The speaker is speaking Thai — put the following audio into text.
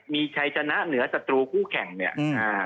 มีใครชนะเหนือศัตรูผู้แข่ง